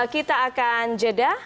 kita akan jeda